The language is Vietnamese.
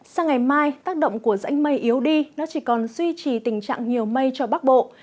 sang ngày mai tác động của rãnh mây yếu đi nó chỉ còn duy trì tình trạng nhiều mây cho bắc bộ